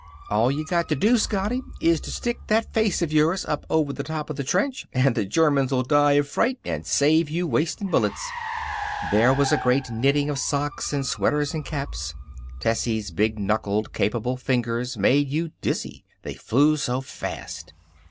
"All you got to do, Scotty, is to stick that face of yours up over the top of the trench and the Germans'll die of fright and save you wasting bullets." There was a great knitting of socks and sweaters and caps. Tessie's big knuckled, capable fingers made you dizzy, they flew so fast.